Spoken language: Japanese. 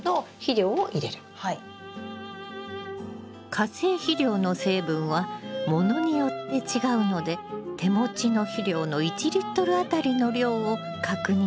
化成肥料の成分はものによって違うので手持ちの肥料の１当たりの量を確認してね。